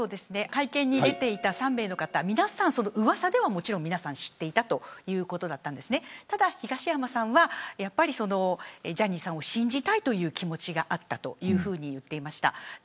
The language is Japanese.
会見に出ていた３名の方うわさでは、皆さん知っていたということでしたがただ、東山さんは、やっぱりジャニーさんを信じたいという気持ちがあったというふうに言っていました。